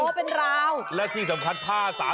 โอ้เป็นราวและที่สำคัญผ้า